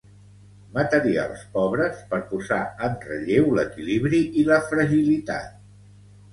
Materials pobres per posar en relleu l'equilibri i la fragilitat.